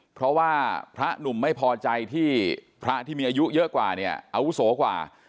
เพราะว่าพระหนุ่มไม่พอใจที่พระที่มีอายุเยอะกว่าเนี่ยอาวุโสกว่า